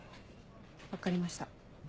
分かりました。